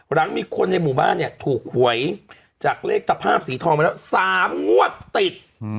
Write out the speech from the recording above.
หลังมีคนในหมู่บ้านเนี่ยถูกหวยจากเลขตะภาพสีทองมาแล้ว๓งวดติด